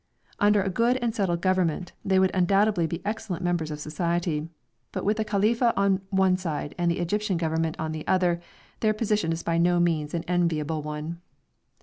Under a good and settled government they would undoubtedly be excellent members of society, but with the Khalifa on one side and the Egyptian Government on the other their position is by no means an enviable one.